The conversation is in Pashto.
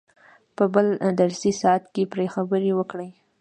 په بل درسي ساعت کې پرې خبرې وکړئ.